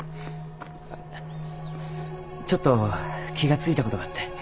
ちょっと気が付いたことがあって。